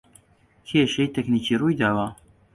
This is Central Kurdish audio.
کێشەی تەکنیکی روویداوە